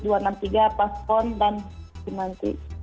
juga pas pon dan semakin